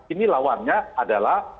ini lawannya adalah